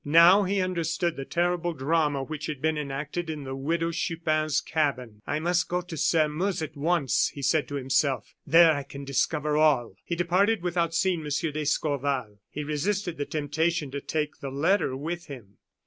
Now he understood the terrible drama which had been enacted in the Widow Chupin's cabin. "I must go to Sairmeuse at once," he said to himself; "there I can discover all." He departed without seeing M. d'Escorval. He resisted the temptation to take the letter with him.